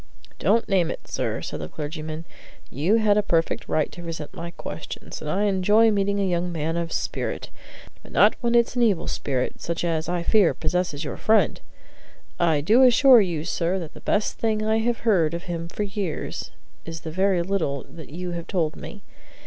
"Don't name it, sir," said the clergyman; "you had a perfect right to resent my questions, and I enjoy meeting young men of spirit; but not when it's an evil spirit, such as, I fear, possesses your friend! I do assure you, sir, that the best thing I have heard of him for years is the very little that you have told me.